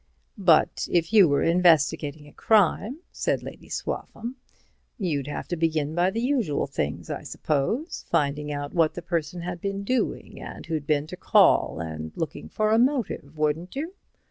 "But if you were investigating a crime," said Lady Swaffham, "you'd have to begin by the usual things, I suppose—finding out what the person had been doing, and who'd been to call, and looking for a motive, wouldn't you?"